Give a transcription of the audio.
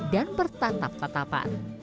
dan menarik tetapan tetapan